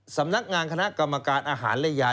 สำนักงานคณะกรรมการอาหารและยา